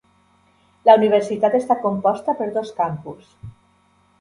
La universitat està composta per dos campus.